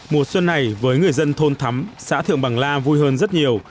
mùa xuân này với người dân thôn thắm xã thượng bằng la vui hơn rất nhiều